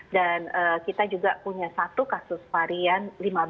dan kita juga punya satu kasus varian lima belas dua puluh lima